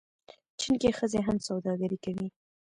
چین کې ښځې هم سوداګري کوي.